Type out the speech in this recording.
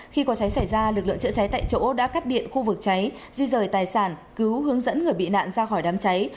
khi có cháy xảy ra lực lượng chữa cháy tại chỗ đã cắt điện khu vực cháy di rời tài sản cứu hướng dẫn người bị nạn ra khỏi đám cháy